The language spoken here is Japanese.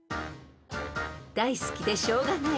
［大好きでしょうがない